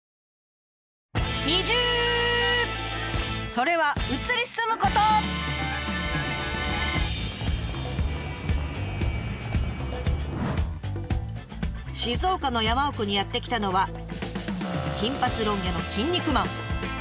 それは静岡の山奥にやって来たのは金髪ロン毛のキン肉マン。